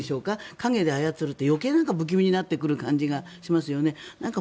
陰で操るって余計不気味になってくる感じがしますよね。